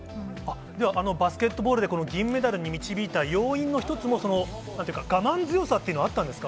では、バスケットボールで銀メダルに導いた要因の一つも、そのなんていうか、我慢強さっていうのはあったんですか？